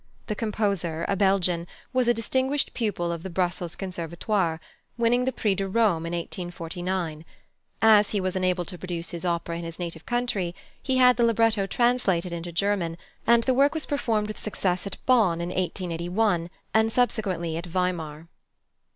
The composer, a Belgian, was a distinguished pupil of the Brussels Conservatoire, winning the Prix de Rome in 1849. As he was unable to produce his opera in his native country, he had the libretto translated into German, and the work was performed with success at Bonn in 1881, and subsequently at Weimar.